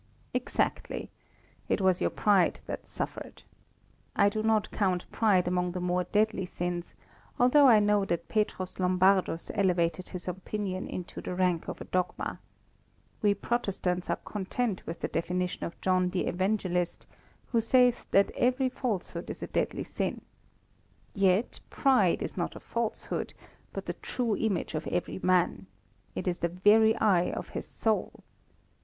"Exactly; it was your pride that suffered. I do not count pride among the more deadly sins, although I know that Petrus Lombardus elevated this opinion into the rank of a dogma. We Protestants are content with the definition of John the Evangelist, who saith that every falsehood is a deadly sin. Yet pride is not falsehood, but the true image of every man. It is the very eye of his soul.